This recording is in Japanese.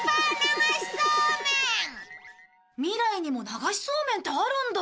未来にも流しそうめんってあるんだ？